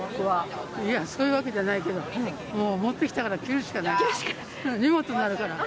いや、そういうわけじゃないけど、もう持ってきたから、着るしかない。